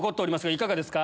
いかがですか？